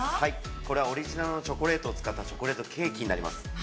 ◆これはオリジナルのチョコレートを使ったチョコレートケーキになります。